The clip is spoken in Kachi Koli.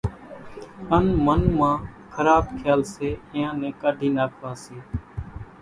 ان من مان خراٻ کيال سي اينيان نين ڪاڍي ناکوا سي